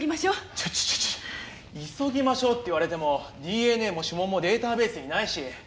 ちょちょちょちょ急ぎましょうって言われてもＤＮＡも指紋もデータベースにないし。